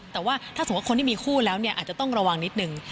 แต่ว่าถ้าสงวัติคนที่มีคู่อาจจะต้องระวังนิดนึง